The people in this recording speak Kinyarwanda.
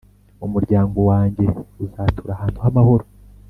Umuryango wanjye uzatura ahantu h’amahoro,